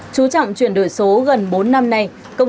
chú trọng chuyển đổi số gần bốn năm nay công ty lữ hành này đã tăng cường